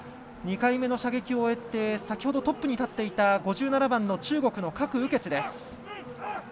２回目の射撃を終えて先ほどトップに立っていた５７番の中国の郭雨潔です。